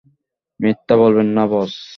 মিথ্যা বলবেন না, বস।